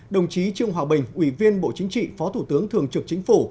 đồng chí trương hòa bình ủy viên bộ chính trị phó thủ tướng thường trực chính phủ